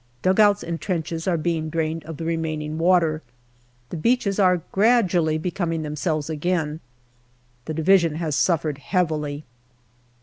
Dugouts and trenches are being drained of the remaining water. The beaches are gradually becoming themselves again. The Division has suffered heavily.